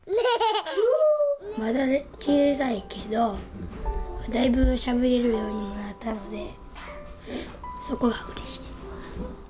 まだね小さいけどだいぶしゃべれるようにもなったのでそこがうれしい。